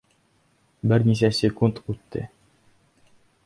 Бер нисә секунд үтте.